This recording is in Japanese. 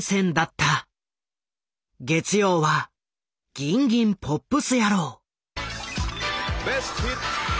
月曜は「ギンギンポップス野郎」。